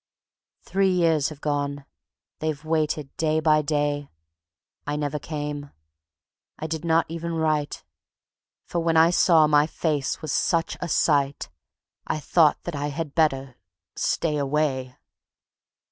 ... Three years have gone; they've waited day by day. I never came. I did not even write. For when I saw my face was such a sight I thought that I had better ... stay away.